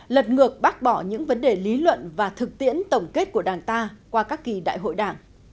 lật ngược bác bỏ những vấn đề lý luận và thực tiễn tổng kết của đảng ta qua các kỳ đại hội đảng